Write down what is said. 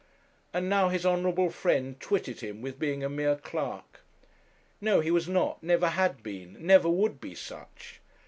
And now his honourable friend twitted him with being a mere clerk! No, he was not, never had been, never would be such.